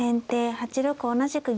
８六同じく銀。